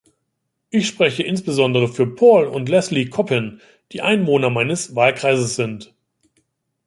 Ich spreche insbesondere für Paul und Lesley Coppin, die Einwohner meines Wahlkreises sind.